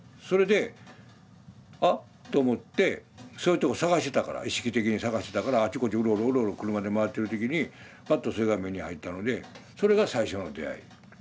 それであっと思ってそういうとこ探してたから意識的に探してたからあっちこっちうろうろうろうろ車で回ってる時にパッとそれが目に入ったのでそれが最初の出会い。